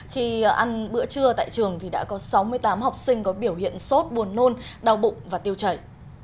khi ăn bữa trưa tại trường thì đã có sáu mươi tám học sinh có biểu hiện sốt buồn nôn đau bụng và tiêu chảy